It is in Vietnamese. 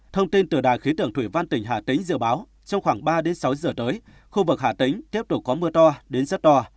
thông tin từ đài khí tượng thủy văn tỉnh hà tĩnh dự báo trong khoảng ba đến sáu giờ tới khu vực hà tĩnh tiếp tục có mưa to đến rất to